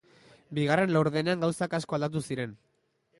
Bigarren laurdenean gauzak asko aldatu ziren.